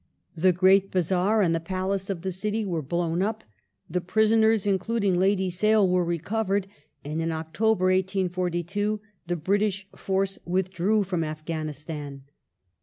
The great Bazaar and the palace of the city were blown up ; the prisoners, including Lady Sale, were recovered ; and in October, 1842, the British force withdrew from Afghanistan.